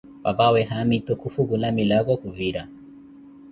Papawe haamitu kufwukulah milako khuvira.